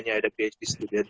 ada phd student